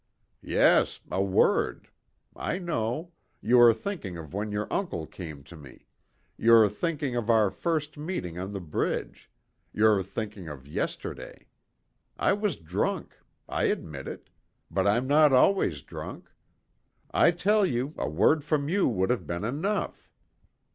"Yes, a word. I know. You are thinking of when your uncle came to me; you're thinking of our first meeting on the bridge; you're thinking of yesterday. I was drunk. I admit it. But I'm not always drunk. I tell you a word from you would have been enough."